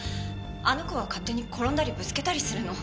あの子が勝手に転んだりぶつけたりするの。